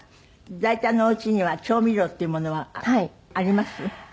大体のお家には調味料っていうものはあります？